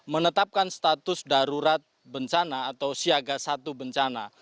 menetapkan status darurat bencana atau siaga satu bencana